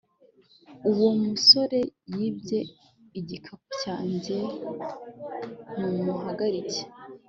Uwo musore yibye igikapu cyanjye Mumuhagarike